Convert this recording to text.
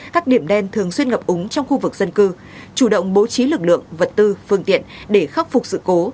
các điểm đen thường xuyên ngập úng trong khu vực dân cư chủ động bố trí lực lượng vật tư phương tiện để khắc phục sự cố